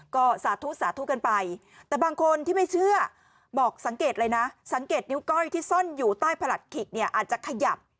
ก็สาธุสาธุกันไปแต่บางคนที่ไม่เชื่อบอกสังเกตเลยนะสังเกตนิ้วก้อยที่ซ่อนอยู่ใต้ประหลัดขิกเนี่ยอาจจะขยับ